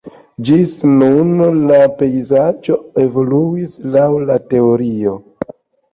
Ĝis nun la pejzaĝo evoluis laŭ la teorio.